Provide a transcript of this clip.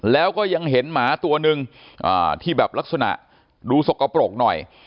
แล้วก็ยังเห็นหมาตัวนึงที่แบบลักษณะดูสกปรกหน่อย